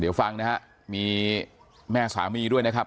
เดี๋ยวฟังนะฮะมีแม่สามีด้วยนะครับ